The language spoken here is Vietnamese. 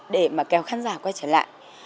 để mà kéo khán giả quay trở lại